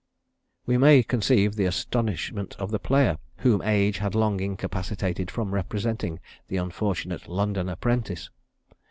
We may conceive the astonishment of the player, whom age had long incapacitated from representing the unfortunate 'London Apprentice.'